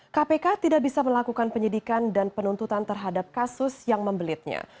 kpk tidak bisa melakukan penyidikan dan penuntutan terhadap kasus yang membelitnya